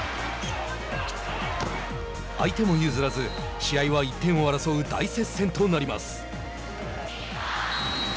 相手も譲らず試合は１点を争う大接戦となります。